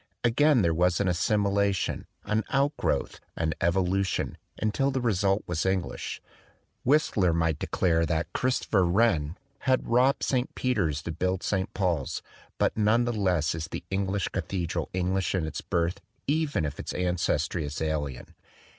Again there was an assimilation, an outgrowth, an evolution, until the result was English. Whistler might declare that Christopher Wren "had robbed St. Peter's to build St. Paul's," but none the less is the English cathedral English in its birth, even if its ancestry is alien.